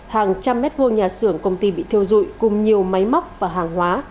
hàng trăm mét vô nhà xưởng công ty bị theo dụi cùng nhiều máy móc và hàng hóa